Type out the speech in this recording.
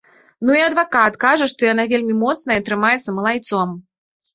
Ну і адвакат кажа, што яна вельмі моцная і трымаецца малайцом.